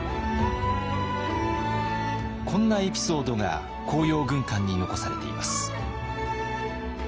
こんなエピソードが「甲陽軍鑑」に残されています。